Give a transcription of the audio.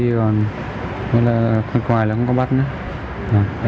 còn khách ngoài là không có bắt nữa